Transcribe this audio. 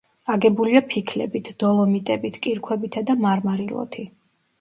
აგებულია ფიქლებით, დოლომიტებით, კირქვებითა და მარმარილოთი.